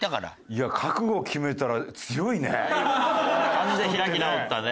完全に開き直ったね。